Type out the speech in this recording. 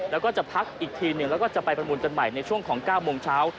แล้วก็จะพักอีกทีหนึ่งแล้วก็จะไปประมูลกันใหม่ในช่วงของ๙โมงเช้า